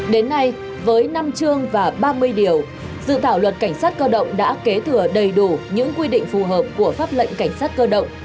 đến nay với năm chương và ba mươi điều dự thảo luật cảnh sát cơ động đã kế thừa đầy đủ những quy định phù hợp của pháp lệnh cảnh sát cơ động